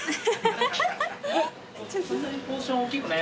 そんなにポーションおっきくない。